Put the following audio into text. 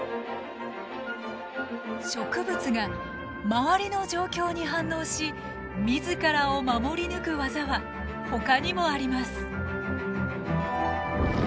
植物が周りの状況に反応し自らを守り抜く技はほかにもあります。